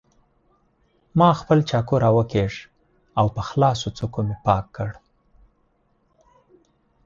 ما خپل چاقو راوکېښ او په خلاصو څوکو مې پاک کړ.